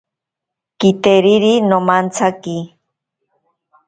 Kiteriri nomantsaki.